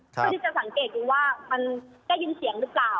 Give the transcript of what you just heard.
เพื่อที่จะสังเกตดูว่ามันได้ยินเสียงหรือเปล่า